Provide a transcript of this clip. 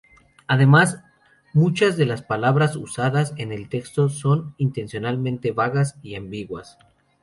Además, muchas de las palabras usadas en el texto son intencionalmente vagas y ambiguas.